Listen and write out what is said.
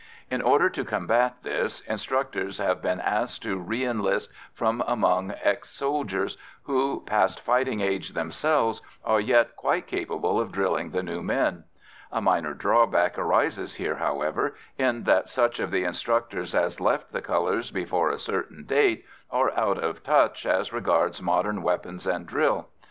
In order to combat this, instructors have been asked to re enlist from among ex soldiers who, past fighting age themselves, are yet quite capable of drilling the new men. A minor drawback arises here, however, in that such of the instructors as left the colours before a certain date are out of touch as regards modern weapons and drill.